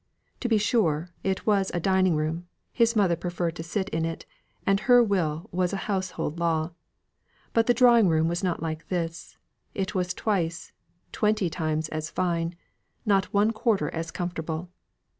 To be sure, it was a dining room; his mother preferred to sit in it; and her will was a household law. But the drawing room was not like this. It was twice twenty times as fine; not one quarter as comfortable.